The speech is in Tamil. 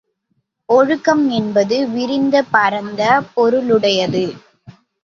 ஒழுக்கம் என்பது விரிந்த பரந்த பொருளுடையது.